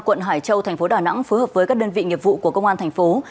quận hải châu tp đà nẵng phối hợp với các đơn vị nghiệp vụ của công an tp hcm